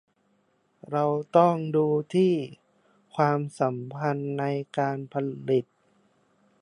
เราต้องดูที่ ความสัมพันธ์ในการผลิต